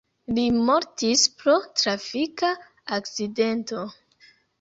Li mortis pro trafika akcidento.